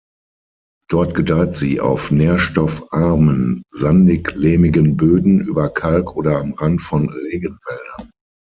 Dort gedeiht sie auf nährstoffarmen, sandig-lehmigen Böden, über Kalk oder am Rand von Regenwäldern.